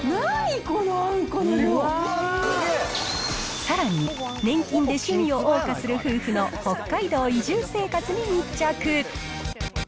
何、さらに、年金で趣味をおう歌する夫婦の北海道移住生活に密着。